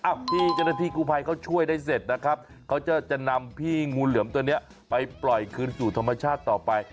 ที่เจ้าหน้าที่กูภัยเขาช่วยได้เสร็จนะครับเขาจะนำพี่งูเหลือมตัวนี้ไปปล่อยคืนสู่ธรรมชาติต่อไป